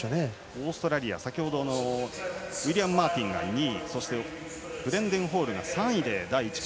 オーストラリア、先ほどウィリアム・マーティンが２位そしてブレンデン・ホール。